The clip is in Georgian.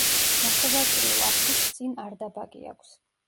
ნახევარწრიულ აფსიდს წინ არდაბაგი აქვს.